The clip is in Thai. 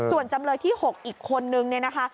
ส่วนจำเลยที่๖อีกคนหนึ่งนะฮะ